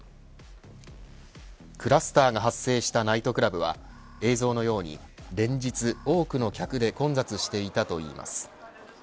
クラスターが発生したナイトクラブは映像のように連日多くの客で混雑していたといいます。